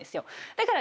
だから。